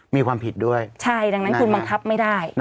มีความผิดด้วยใช่ดังนั้นคุณบังคับไม่ได้